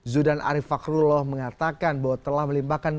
zudan arief fakrullah mengatakan bahwa telah melimpahkan